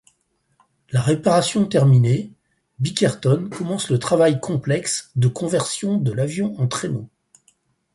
La réparation terminée, Bickerton commence le travail complexe de conversion de l'avion en traîneau.